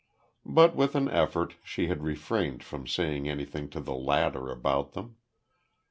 But with an effort she had refrained from saying anything to the latter about them.